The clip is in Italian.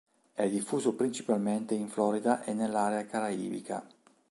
È diffuso principalmente in Florida e nell'area caraibica.